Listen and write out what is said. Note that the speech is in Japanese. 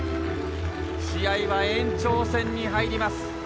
試合は延長戦に入ります。